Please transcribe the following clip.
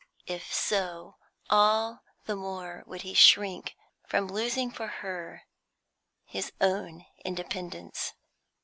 If so, all the more would he shrink from losing for her his own independence.